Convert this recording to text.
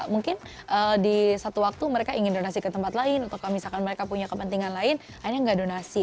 mungkin di satu waktu mereka ingin donasi ke tempat lain atau kalau misalkan mereka punya kepentingan lain akhirnya nggak donasi